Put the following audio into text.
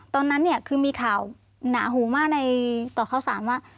ตอนนั้นเนี่ยคือมีข่าวหนาหูมากในต่อข้าวสารว่า